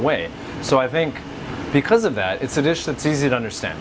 jadi saya pikir karena itu itu adalah hidangan yang mudah diperlukan